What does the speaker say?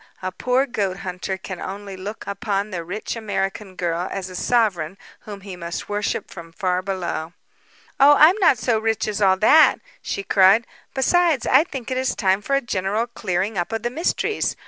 A poor goat hunter can only look upon the rich American girl as a sovereign whom he must worship from far below." "Oh, I'm not so rich as all that," she cried. "Besides, I think it is time for a general clearing up of the mysteries.